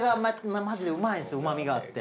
うま味があって。